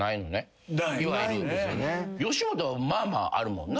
吉本はまあまああるもんな？